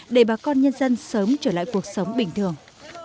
để bà con nhân dân sớm trở lại cuộc sống bình thường